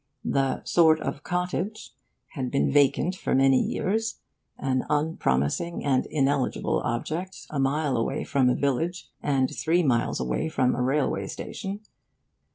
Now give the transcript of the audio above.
The 'sort of cottage' had been vacant for many years an unpromising and ineligible object, a mile away from a village, and three miles away from a railway station.